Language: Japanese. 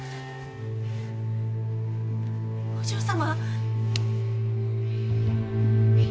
お嬢様？